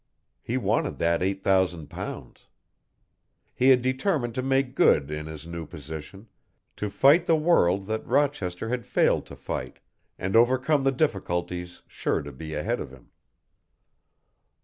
He wanted that eight thousand pounds. He had determined to make good in his new position, to fight the world that Rochester had failed to fight, and overcome the difficulties sure to be ahead of him.